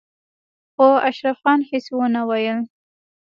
خو اشرف خان هېڅ ونه ويل.